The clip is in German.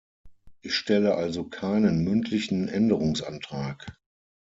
Ich stelle also keinen mündlichen Änderungsantrag.